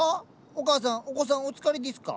お母さんお子さんお疲れですか？